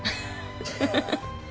フフフ。